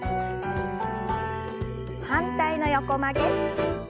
反対の横曲げ。